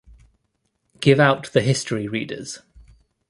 Give out the history readers.